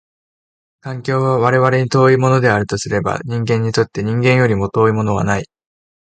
環境は我々に遠いものであるとすれば、人間にとって人間よりも遠いものはない。